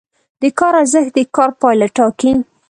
د کار ارزښت د کار پایله ټاکي.